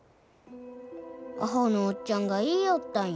アホのおっちゃんが言いよったんや。